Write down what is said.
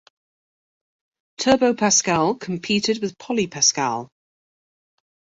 Turbo Pascal competed with PolyPascal.